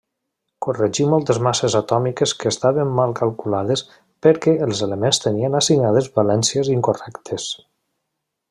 Corregí moltes masses atòmiques que estaven mal calculades perquè els elements tenien assignades valències incorrectes.